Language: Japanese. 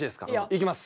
行きます。